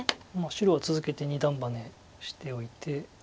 白は続けて二段バネしておいて。